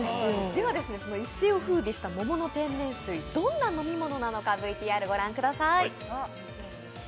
一斉をふうびした桃の天然水、どんな飲み物なのかＶＴＲを御覧ください。